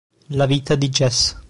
La vita di Jesse.